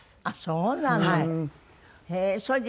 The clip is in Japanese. あっそうなの。